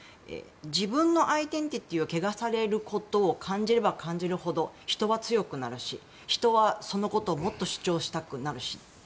自分のアイデンティティーを汚されることを感じれば感じるほど人は強くなるし、人はそのことをもっと主張したくなるしって。